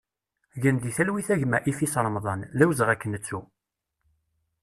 Gen di talwit a gma Ifis Remḍan, d awezɣi ad k-nettu!